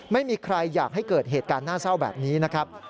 ไม่มีใครอยากให้เกิดเหตุการณ์น่าเศร้าแบบนี้นะครับ